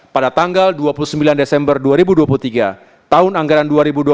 pada tanggal dua puluh sembilan desember dua ribu dua puluh tiga tahun anggaran dua ribu dua puluh